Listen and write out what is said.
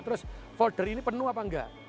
terus folder ini penuh atau tidak